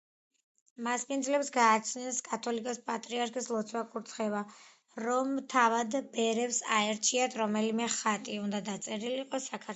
მასპინძლებს გააცნეს კათოლიკოს-პატრიარქის ლოცვა-კურთხევა, რომ თავად ბერებს აერჩიათ, რომელი ხატი უნდა დაწერილიყო საქართველოსთვის.